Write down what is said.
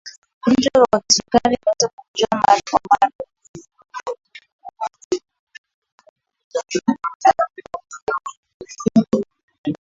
mgonjwa wa kisukari anaweza kukojoa mara kwa mara